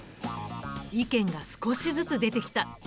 意見が少しずつ出てきた。